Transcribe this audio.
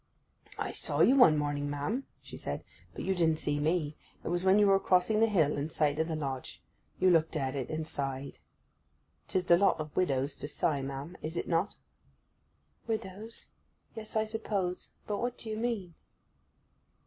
'I saw you one morning, ma'am,' she said. 'But you didn't see me. It was when you were crossing the hill in sight of the Lodge. You looked at it, and sighed. 'Tis the lot of widows to sigh, ma'am, is it not?' 'Widows—yes, I suppose; but what do you mean?